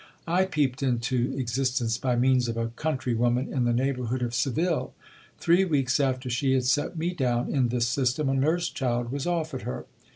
I peeped into existence by means of a country woman in the neighbourhood of Seville. Three weeks after she had set me down in this system, a nurse child was offered her.